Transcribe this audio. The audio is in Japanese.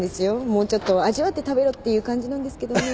もうちょっと味わって食べろっていう感じなんですけどね。